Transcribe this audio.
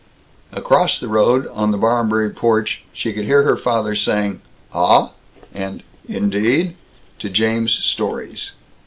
Across the road, on the Barmberry porch, she could hear her father saying "Ah?" and "Indeed?" to James's stories.